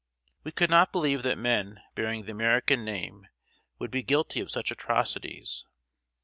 We could not believe that men bearing the American name would be guilty of such atrocities.